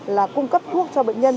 là cung cấp thuốc cho bệnh nhân